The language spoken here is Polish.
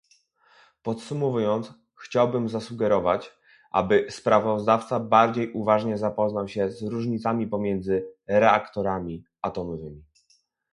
Podsumowując chciałbym zasugerować, aby sprawozdawca bardziej uważnie zapoznał się z różnicami pomiędzy reaktorami atomowymi